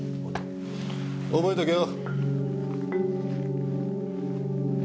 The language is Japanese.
覚えとけよ。